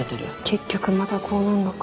結局またこうなんのか